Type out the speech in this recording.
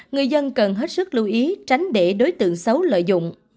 người dân cần hết sức lưu ý tránh để đối tượng xấu lợi dụng